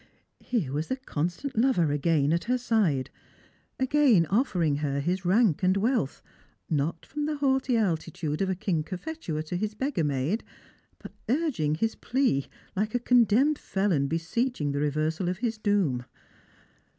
hero was the constant lover again at her side, again oflerintr her his rank und wealth, not from the haughty altitude of a King Cophetua to his beggar maid, but urging his plea iike a condemned felon beseeching the reversal of his doom.